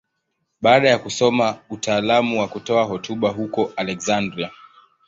Baada ya kusoma utaalamu wa kutoa hotuba huko Aleksandria.